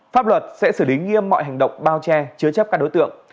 pháp luật sẽ xử lý nghiêm mọi hành động bao che chứa chấp các đối tượng